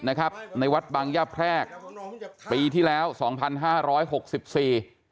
นะครับในวัดบางย่าแพรกปีที่แล้วสองพันห้าร้อยหกสิบสี่